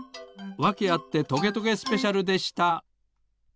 「わけあってトゲトゲスペシャル」でした。